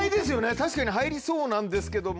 確かに入りそうなんですけども。